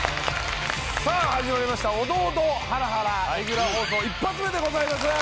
さあ始まりました『オドオド×ハラハラ』レギュラー放送１発目でございます。